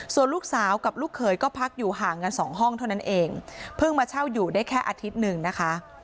ส่วนลูกสาวกับลูกเขยก็พักอยู่ห่างกันสองห้องเท่านั้นเองเพิ่งมาเช่าอยู่ได้แค่อาทิตย์หนึ่งนะคะ